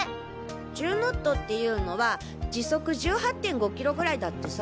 １０ノットっていうのは時速１８．５キロぐらいだってさ。